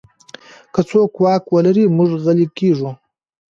که څوک واک ولري، موږ غلی کېږو.